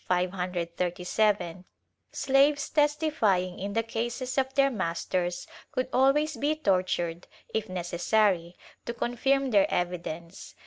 537) slaves testifying in the cases of their masters could always be tortured if necessary to confirm their evidence.